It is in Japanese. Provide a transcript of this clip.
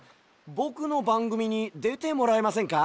ぼくのばんぐみにでてもらえませんか？